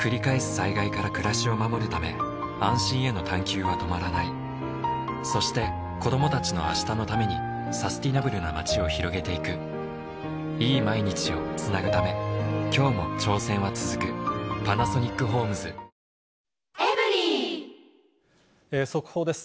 災害から暮らしを守るため安心への探究は止まらないそして子供たちの明日のためにサスティナブルな街を拡げていくいい毎日をつなぐため今日も挑戦はつづくパナソニックホームズ速報です。